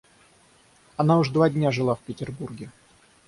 Она уж два дня жила в Петербурге.